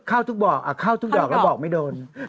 เข้าทุกดอกแล้วบอกไม่โดน